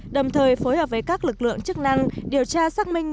đồng thời phối hợp với các lực lượng chức năng điều tra xác minh